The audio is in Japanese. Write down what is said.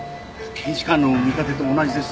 検視官の見立てと同じです。